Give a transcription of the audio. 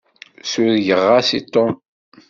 Sureg-as i Tom!